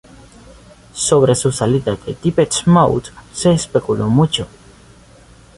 Sobre su salida de Depeche Mode se especuló mucho.